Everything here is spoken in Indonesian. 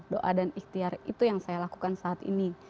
doa dan ikhtiar itu yang saya lakukan saat ini